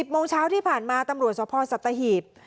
๑๐โมงเช้าที่ผ่านมาตำรวจสวพพ่อสัตตาหีพ